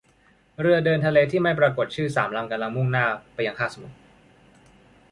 เรือเดินทะเลที่ไม่ปรากฏชื่อสามลำกำลังมุ่งหน้าไปยังคาบสมุทร